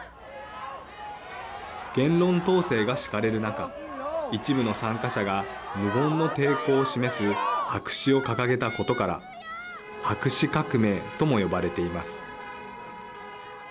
言論統制が敷かれる中一部の参加者が無言の抵抗を示す白紙を掲げたことから白紙革命とも呼ばれています。